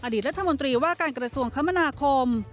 รัฐมนตรีว่าการกระทรวงคมนาคม